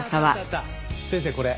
先生これ。